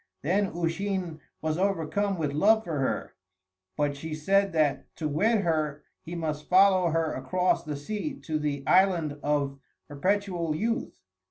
Then Usheen was overcome with love for her, but she said that to wed her he must follow her across the sea to the Island of Perpetual Youth.